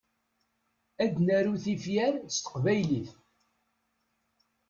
Ad naru tifyar s teqbaylit.